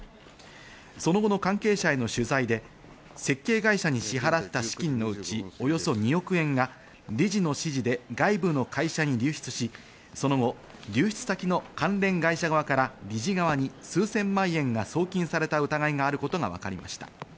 その後の関係者への取材で設計会社に支払った資金のうち、およそ２億円が理事の指示で外部の会社に流出し、その後、流出先の関連会社側から理事側に数千万円が送金された疑いがあることがわかりました。